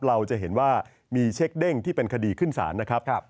เราจะเห็นว่ามีเช็คเด้งที่เป็นคดีขึ้นศาลนะครับ